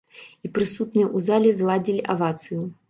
І прысутныя ў зале зладзілі авацыю.